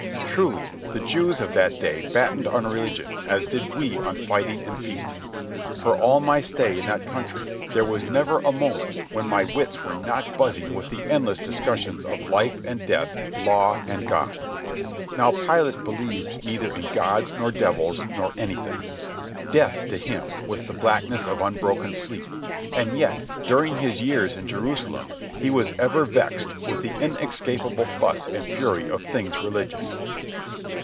Truly, the Jews of that day battened on religion as did we on fighting and feasting. For all my stay in that country there was never a moment when my wits were not buzzing with the endless discussions of life and death, law, and God. Now Pilate believed neither in gods, nor devils, nor anything. Death, to him, was the blackness of unbroken sleep; and yet, during his years in Jerusalem, he was ever vexed with the inescapable fuss and fury of things religious.